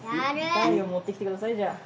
台を持ってきてくださいじゃあ。